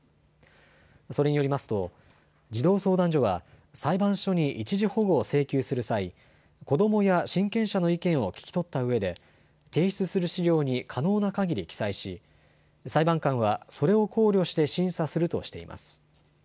それによりますと児童相談所は裁判所に一時保護を請求する際、子どもや親権者の意見を聞き取ったうえで提出する資料に可能なかぎり記載し裁判官はそれを考慮して審査するとしています。